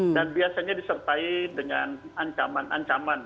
dan biasanya disertai dengan ancaman ancaman